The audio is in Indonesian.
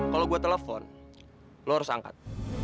kalo gue telepon lu harus angkat